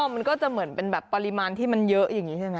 มันก็จะเหมือนเป็นแบบปริมาณที่มันเยอะอย่างนี้ใช่ไหม